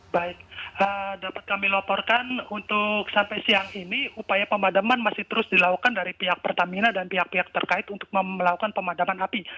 baik dapat kami laporkan untuk sampai siang ini upaya pemadaman masih terus dilakukan dari pihak pertamina dan pihak pihak terkait untuk melakukan pemadaman api